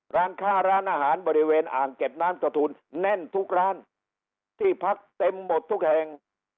ร้านค้าร้านอาหารบริเวณอ่างเก็บน้ำกระทูลแน่นทุกร้านที่พักเต็มหมดทุกแห่ง